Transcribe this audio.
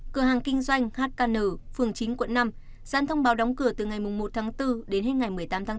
cửa hàng kinh doanh hkn phường chín quận năm gián thông báo đóng cửa từ ngày một tháng bốn đến hết ngày một mươi tám tháng bốn